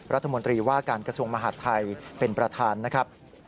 รัฐมนตรีว่าการกระทรวงมหาดไทยเป็นประธานนะครับ